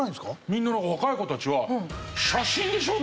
みんななんか若い子たちは。